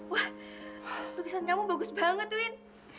wah lukisan nyamu bagus banget win